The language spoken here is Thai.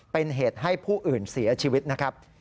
เป็นเหตุให้ผู้อื่นเสียชีวิตนะครับ